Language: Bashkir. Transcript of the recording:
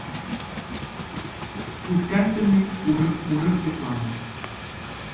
Үткән төн мин урыҡ-һурыҡ йоҡланым